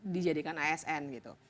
dijadikan asn gitu